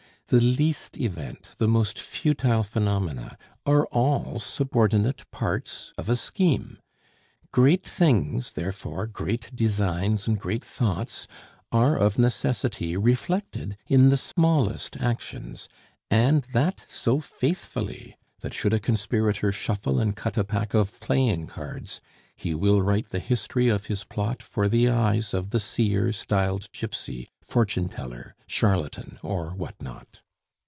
The least event, the most futile phenomena, are all subordinate parts of a scheme. Great things, therefore, great designs, and great thoughts are of necessity reflected in the smallest actions, and that so faithfully, that should a conspirator shuffle and cut a pack of playing cards, he will write the history of his plot for the eyes of the seer styled gypsy, fortune teller, charlatan, or what not.